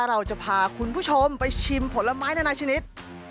เราจะพาคุณผู้ชมไปชิมผลไม้นานาชนิด